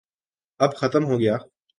اب ختم ہوگیا۔